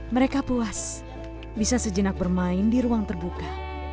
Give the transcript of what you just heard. mereka puas bisa sejenak bermain di ruang terbuka